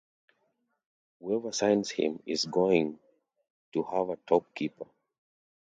Whoever signs him is going to have a top keeper.